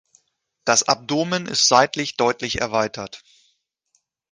Das Abdomen ist seitlich deutlich erweitert.